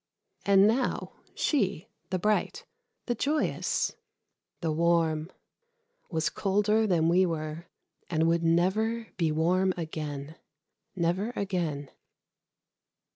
And now she, the bright, the joyous, the warm, was colder than we were, and would never be warm again. Never again